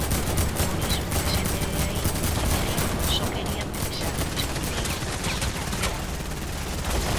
Por iso que a xente de aí arriba só quería pelexar, discutir, ¡facer algo!